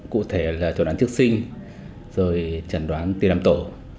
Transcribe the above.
cụ thể là chuẩn đoán trước sinh rồi chẩn đoán tiền làm tổ